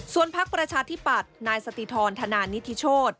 ส่วนพักประชาธิปัตย์นายสติธรธนานิทิโชธ